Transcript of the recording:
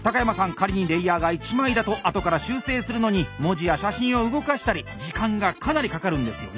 仮にレイヤーが１枚だとあとから修正するのに文字や写真を動かしたり時間がかなりかかるんですよね？